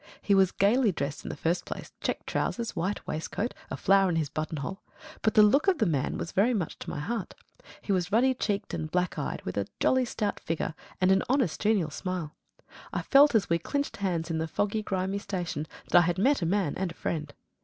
He was gaily dressed in the first place, check trousers, white waistcoat, a flower in his button hole. But the look of the man was very much to my heart. He was ruddy checked and black eyed, with a jolly stout figure and an honest genial smile. I felt as we clinched hands in the foggy grimy station that I had met a man and a friend.